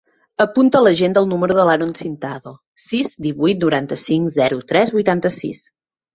Apunta a l'agenda el número de l'Haron Cintado: sis, divuit, noranta-cinc, zero, tres, vuitanta-sis.